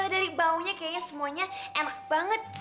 dari baunya kayaknya semuanya enak banget